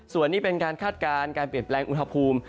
ส่วนนี้เป็นการคาดการณ์การเปลี่ยนแปลงอุณหภูมิ